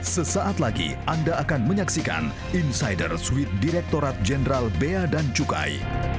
sesaat lagi anda akan menyaksikan insider suite direktorat jenderal bea dan cukai